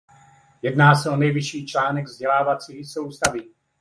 Jedná se o nejvyšší článek vzdělávací soustavy.